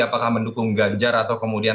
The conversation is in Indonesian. apakah mendukung ganjar atau kemudian